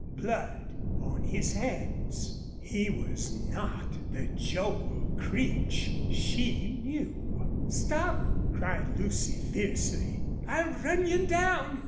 Blood on his hands! He was not the Joel Creech she knew. "Stop!" cried Lucy, fiercely. "I'll run you down!"